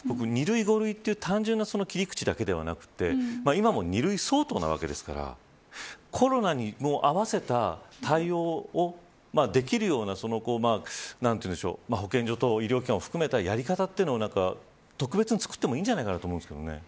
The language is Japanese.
２類、５類という単純な切り口だけではなくて今も２類相当なわけですからコロナに合わせた対応をできるような保健所等、医療機関を含めたやり方というのを特別に作ってもいいんじゃないかと思うんですけどね。